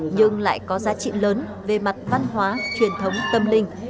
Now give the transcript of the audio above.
nhưng lại có giá trị lớn về mặt văn hóa truyền thống tâm linh